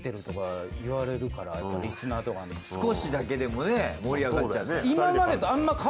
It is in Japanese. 少しだけでもね盛り上がっちゃったら。